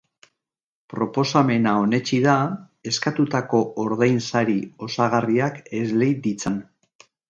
Proposamena onetsi da, eskatutako ordainsari osagarriak eslei ditzan.